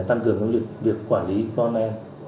tăng cường cái việc quản lý con em